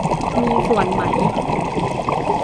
มีส่วนไหม ?